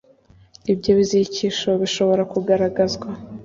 ibyo bizirikisho bishobora kugaragazwa